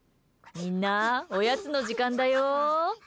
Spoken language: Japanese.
みんな、おやつの時間だよ。